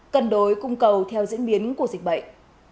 cân đối cung cầu theo diễn biến của dịch bệnh